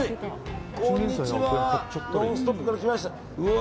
「ノンストップ！」から来ました。